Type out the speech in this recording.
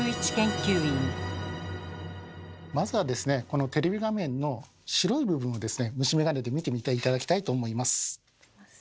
このテレビ画面の白い部分をですね虫眼鏡で見てみて頂きたいと思います。